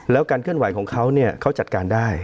แล้วการเคลื่อนไหวของเขาเนี่ยเขาจัดการได้